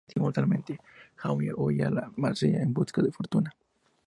Simultáneamente Jaume huye a Marsella en busca de fortuna.